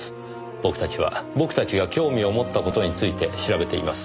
僕たちは僕たちが興味を持った事について調べています。